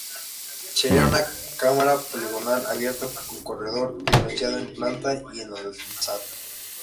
Sería una cámara poligonal abierta con corredor diferenciado en planta y en alzado.